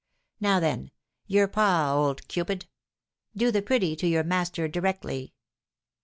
Now, then, your paw, old Cupid; do the pretty to your master directly."